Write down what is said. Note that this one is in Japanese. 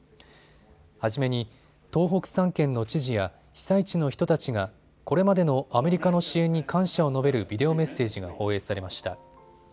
初めに東北３県の知事や被災地の人たちがこれまでのアメリカの支援に感謝を述べるビデオメッセージが放映されました。